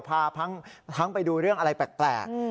พาทั้งไปดูเรื่องอะไรแปลก